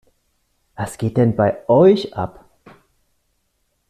Was geht denn bei euch ab?